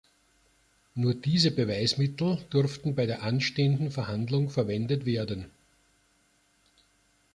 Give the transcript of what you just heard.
Nur diese Beweismittel durften bei der anstehenden Verhandlung verwendet werden.